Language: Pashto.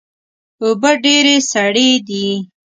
اوبه ډیرې سړې دي